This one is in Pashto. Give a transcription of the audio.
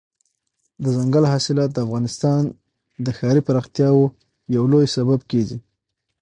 دځنګل حاصلات د افغانستان د ښاري پراختیا یو لوی سبب کېږي.